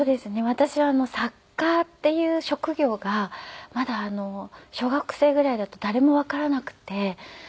私は作家っていう職業がまだ小学生ぐらいだと誰もわからなくて。